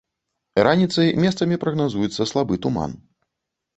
Раніцай месцамі прагназуецца слабы туман.